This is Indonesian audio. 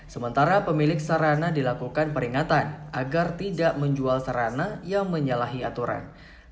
sementara pemilik sarana dilakukan peringatan agar tidak menjual sarana yang menyalahi aturan